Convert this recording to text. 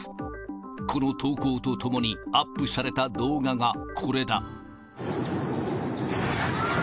この投稿とともにアップされた動画がこれだ。